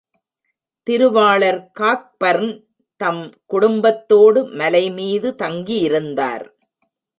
திருவாளர் காக்பர்ன் தம் குடும்பத்தோடு மலைமீது தங்கியிருந்தார்.